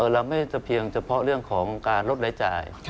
เราไม่เพียงเฉพาะเรื่องของการลดรายจ่าย